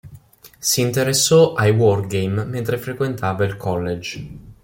Si interessò ai wargame mentre frequentava il college.